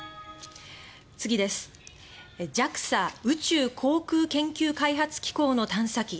ＪＡＸＡ・宇宙航空研究開発機構の探査機